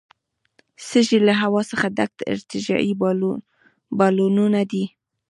سږي له هوا څخه ډک ارتجاعي بالونونه دي.